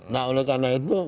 nah oleh karena itu